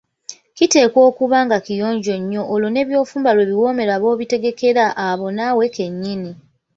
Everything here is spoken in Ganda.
Kiteekwa okuba nga kiyonjo nnyo olwo ne by'ofumba lwe biwoomera b‘obitegekera oba naawe kennyini.